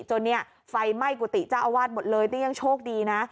จนเนี่ยไฟไหม้กุฏิเจ้าอาวาสหมดเลยนี่ยังโชคดีนะ